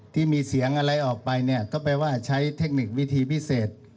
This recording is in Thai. ที่มีเสียงอะไรออกไปเนี่ยก็แปลว่าใช้เทคนิควิธีพิเศษ